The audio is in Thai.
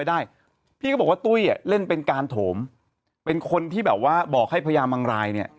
ได้พี่ก็บอกว่าตุ้ยเล่นเป็นการโถมเป็นคนที่แบบว่าบอกให้พญามังรายเนี่ย